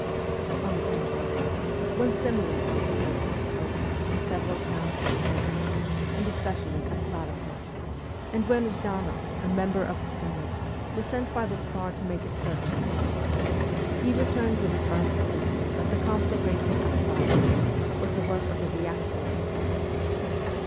On the contrary, when similar conflagrations broke out in several towns on the Volga, and especially at SIBERIA 193 Saratoff, and when Zhdanoff, a member of the Senate, was sent by the Tsar to make a searching inquiry, he returned with the firm conviction that the conflagration at Saratoff was the work of the reactionary party.